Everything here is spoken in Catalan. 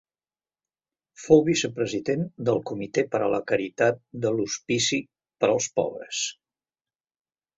Fou vicepresident del Comitè per a la Caritat de l'Hospici per als Pobres.